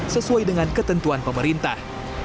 sesuai dengan ketentuan pemerintah